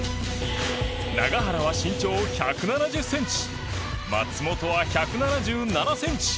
永原は身長１７０ｃｍ松本は１７７ｃｍ。